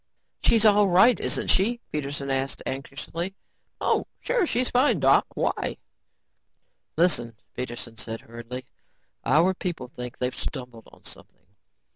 "She's all right, isn't she?" Peterson asked anxiously. "Oh, sure, she's fine, Doc. Why?" "Listen," Peterson said hurriedly, "our people think they've stumbled on something.